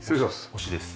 押しです。